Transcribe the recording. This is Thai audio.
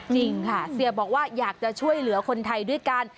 จริงค่ะเสียบอกว่าอยากจะช่วยเหลือคนไทยด้วยกัน